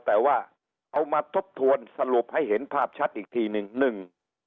แต่ว่าเอามาทบทวนสรุปให้เห็นภาพชัดอีกทีหนึ่งหนึ่ง